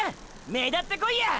目立ってこいや！！